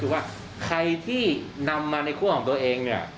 ว่าใครที่นำมาในข้อก็เอง